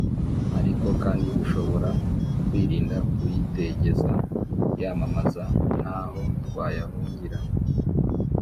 ariko kandi dushobora kwirinda kuyitegeza yamamaza nta ho twayahungira